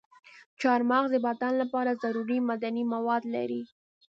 چارمغز د بدن لپاره ضروري معدني مواد لري.